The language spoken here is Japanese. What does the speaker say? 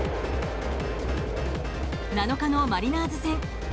７日のマリナーズ戦。